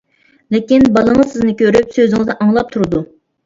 لېكىن، بالىڭىز سىزنى كۆرۈپ، سۆزىڭىزنى ئاڭلاپ تۇرىدۇ.